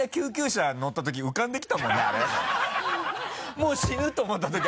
もう死ぬと思ったとき。